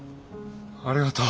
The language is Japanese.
ありがとう。